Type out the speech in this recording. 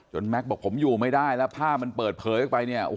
แม็กซ์บอกผมอยู่ไม่ได้แล้วภาพมันเปิดเผยออกไปเนี่ย